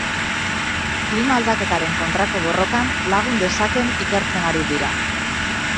Klima aldaketaren kontrako borrokan lagun dezaken ikertzen ari dira.